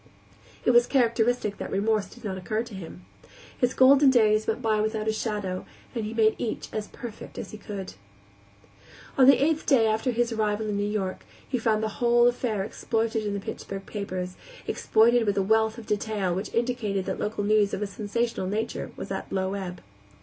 It was characteristic that remorse did not occur to him. His golden days went by without a shadow, and he made each as perfect as he could. On the eighth day after his arrival in New York he found the whole affair exploited in the Pittsburgh papers, exploited with a wealth of detail which indicated that local news of a sensational nature was at a low ebb.